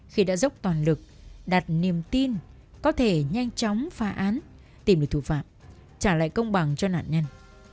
khi đã dốc toàn lực đặt niềm tin có thể nhanh chóng phá án tìm được thủ phạm trả lại công bằng cho nạn nhân